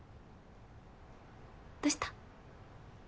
どうした？